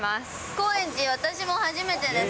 高円寺、私も初めてです。